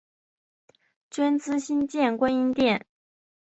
捐资新建观音殿。